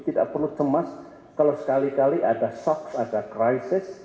tidak perlu cemas kalau sekali kali ada shock ada crisis